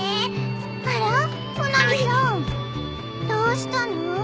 どうしたの？